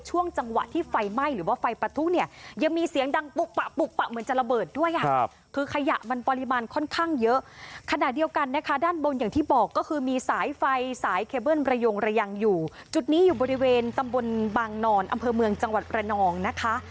จุดนี้อยู่บริเวณตำบลบางนนอำเภอเมืองจังหวัดเรนองนะคะ